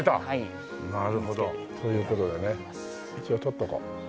なるほど。という事でね一応撮っとこう。